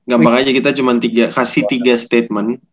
gampang aja kita cuma kasih tiga statement